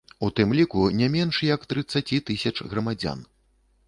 У тым ліку не менш як трыдцацці тысяч грамадзян.